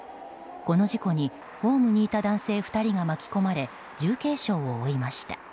この事故にホームにいた男性２人が巻き込まれ重軽傷を負いました。